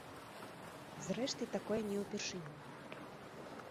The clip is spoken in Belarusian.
Зрэшты, такое не ўпершыню.